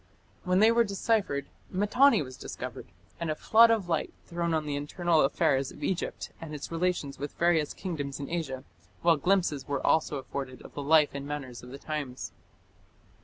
When they were deciphered, Mitanni was discovered, and a flood of light thrown on the internal affairs of Egypt and its relations with various kingdoms in Asia, while glimpses were also afforded of the life and manners of the times.